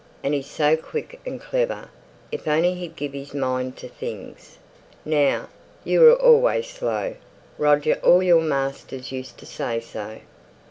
and he's so quick and clever, if only he'd give his mind to things. Now, you were always slow, Roger all your masters used to say so."